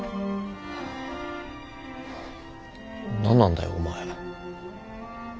何なんだよお前。